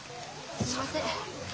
すいません。